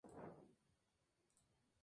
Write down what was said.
Sin embargo, al fin, le costó la vida.